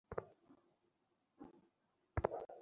এটাই তাহলে bad news ছিল?